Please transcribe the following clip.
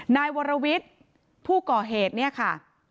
นายวรวิทย์ผู้ก่อเหตุเนี่ยค่ะ